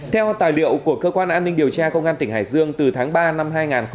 theo tài liệu của cơ quan an ninh điều tra công an tỉnh hải dương từ tháng ba năm hai nghìn hai mươi ba